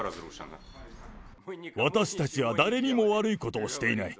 私たちは誰にも悪いことをしていない。